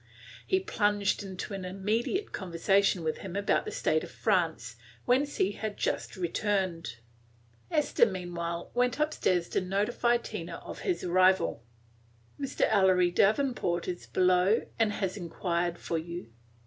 He plunged into an immediate conversation with him about the state of France, whence he had just returned. Esther, meanwhile, went up stairs to notify Tina of his arrival. "Mr. Ellery Davenport is below, and had inquired for you."